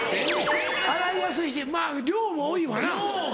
洗いやすいしまぁ量も多いわな。